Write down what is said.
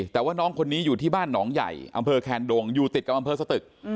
แต่ว่าน้องคนนี้อยู่ที่บ้านหนองใหญ่อำเภอแคนดงอยู่ติดกับอำเภอสตึก